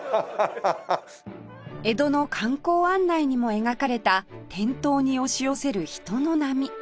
江戸の観光案内にも描かれた店頭に押し寄せる人の波